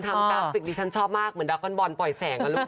คือคนทำการฟิกดิฉันชอบมากเหมือนดาร์คอนบอลปล่อยแสงอะลูก